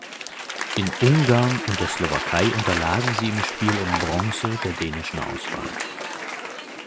In Ungarn und der Slowakei unterlagen sie im Spiel um Bronze der dänischen Auswahl.